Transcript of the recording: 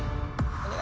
お願い。